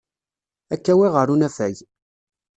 Ad k-awiɣ ɣer unafag.